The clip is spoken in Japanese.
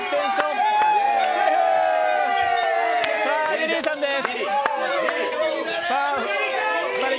リリーさんです。